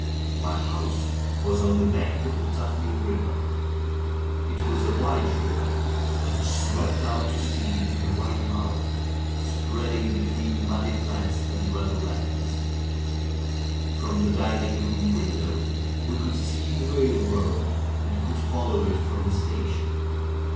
My house was on the bank of the Tuthmay River. It was a wide river, which swept out to sea in a wider mouth, spreading between muddy flats and level lands. From the dining room window we could see the railroad and could fol low it from the station.